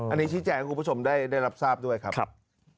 อันนี้ชี้แจงให้คุณผู้ชมได้รับทราบด้วยครับ